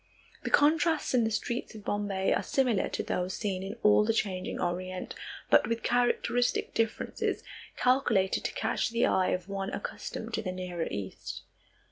The contrasts in the streets of Bombay are similar to those seen in all the changing Orient, but with characteristic differences calculated to catch the eye of one accustomed to the nearer East.